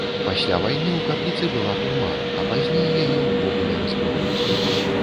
Пасля вайны ў капліцы была турма, а пазней яе ўвогуле разбурылі.